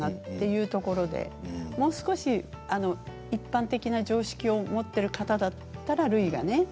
っていうところでもう少し一般的な常識を持っている方だったら、るいがね。